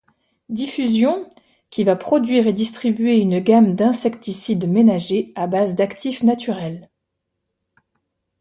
Diffusion, qui va produire et distribuer une gamme d'insecticides ménagers à base d'actifs naturels.